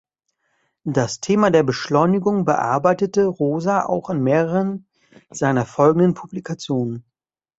Das Thema der Beschleunigung bearbeitete Rosa auch in mehreren seiner folgenden Publikationen.